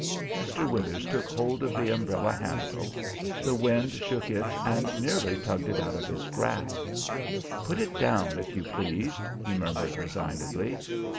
Mr. Withers took hold of the umbrella handle; the wind shook it and nearly tugged it out of his grasp. "Put it down, if you please," he murmured resignedly.